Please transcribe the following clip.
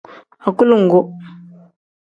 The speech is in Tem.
Agulongu.